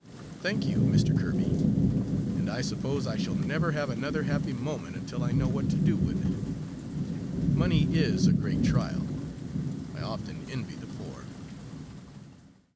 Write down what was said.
"Thank you, Mr. Kirby! And I suppose I shall never have another happy moment until I know what to do with it. Money is a great trial. I often envy the poor."